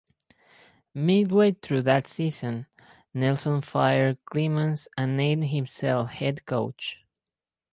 Midway through that season, Nelson fired Cleamons and named himself head coach.